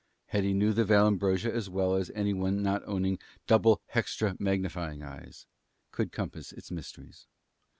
Hetty knew the Vallambrosa as well as any one not owning "double hextra magnifying eyes" could compass its mysteries.